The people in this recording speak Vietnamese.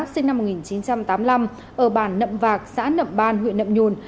sinh năm một nghìn chín trăm tám mươi năm ở bản nậm vạc xã nậm ban huyện nậm nhùn